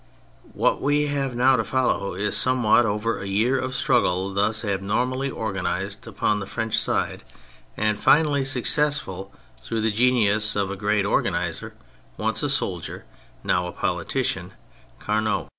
What we have now to follow is somewhat over a year of a struggle thus abnormally organised upon the French side, and finally successful through the genius of a great organiser, once a soldier, now a politi cian, Carnot.